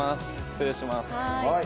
失礼します。